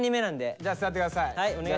じゃあ座って下さい。